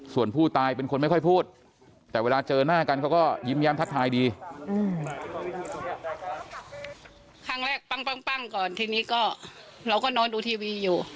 ส่วนผู้ตายเป็นคนไม่ค่อยพูดแต่เวลาเจอหน้ากันเขาก็ยิ้มแย้มทัดทายดี